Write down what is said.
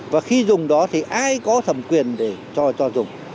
và khi dùng đó thì ai có thẩm quyền để cho cho dùng